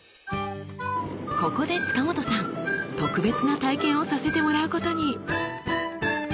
ここで塚本さん特別な体験をさせてもらうことに。